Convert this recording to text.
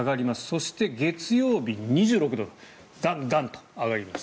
そして月曜日、２６度ガンガンと上がります。